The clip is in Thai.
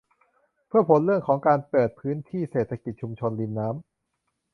เพื่อผลเรื่องของการเปิดพื้นที่เศรษฐกิจชุมชนริมน้ำ